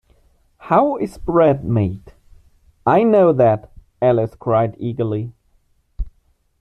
How is bread made? ‘I know that!’ Alice cried eagerly.